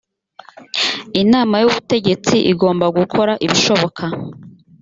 inama y ubutegetsi igomba gukora ibishoboka